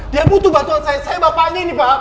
dia butuh bantuan saya saya bapaknya ini pak